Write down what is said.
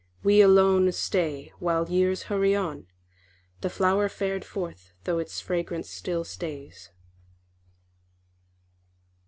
We alone stay While years hurry on, The flower fared forth, though its fragrance still stays.